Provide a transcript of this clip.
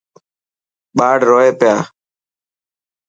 ٻاڙ روئي پيا.